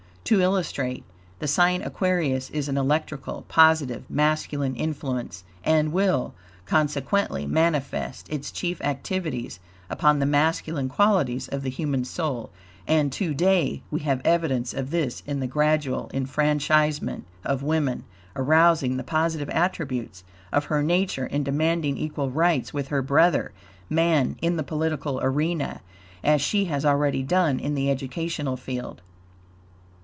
To illustrate. The sign Aquarius is an electrical, positive, masculine influence, and will consequently manifest its chief activities upon the masculine qualities of the human soul; and to day we have evidence of this in the gradual enfranchisement of woman, arousing the positive attributes of her nature in demanding equal rights with her brother, man, in the political arena, as she has already done in the educational field.